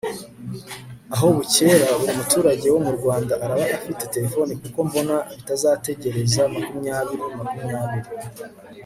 aho bukera buri muturage wo mu rwanda araba afite telefoni, kuko mbona bitazategereza makumyabiri makumyabiri